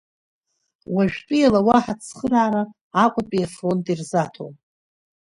Уажәтәиала уаҳа цхыраара Аҟәатәи афронт ирзаҭом.